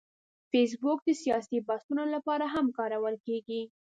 فېسبوک د سیاسي بحثونو لپاره هم کارول کېږي